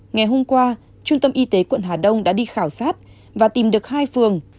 ngày hôm qua trung tâm y tế quận hà đông đã đi khảo sát và tìm được hai phường